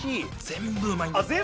全部うまいんですよ。